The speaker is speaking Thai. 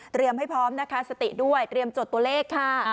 ให้พร้อมนะคะสติด้วยเตรียมจดตัวเลขค่ะ